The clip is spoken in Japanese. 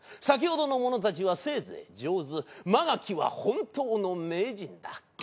先ほどの者たちはせいぜい上手曲垣は本当の名人だ。